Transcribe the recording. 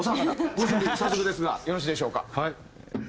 ご準備早速ですがよろしいでしょうか。